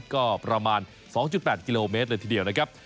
ก็ประมาณ๒๘กิโลเมตรเลยทีเดียวนะครับ